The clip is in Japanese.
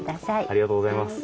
ありがとうございます。